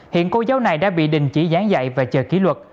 hiện cô giáo này đã bị đình chỉ gián dạy và chờ ký luật